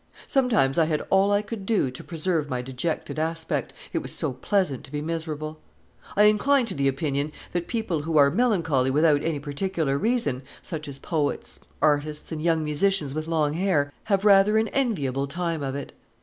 Sometimes I had all I could do to preserve my dejected aspect, it was so pleasant to be miserable. I incline to the opinion that people who are melancholy without any particular reason, such as poets, artists, and young musicians with long hair, have rather an enviable time of it.